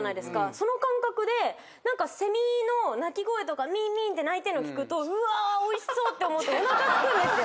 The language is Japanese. その感覚でセミの鳴き声とかミーンミーンって鳴いてんの聞くとうわおいしそう！って思っておなかすくんですよ。